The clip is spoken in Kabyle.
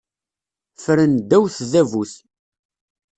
Ffren ddaw tdabut.